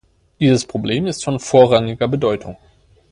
Dieses Problem ist von vorrangiger Bedeutung.